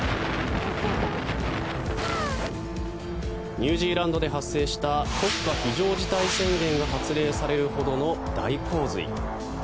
ニュージーランドで発生した国家非常事態宣言が発令されるほどの大洪水。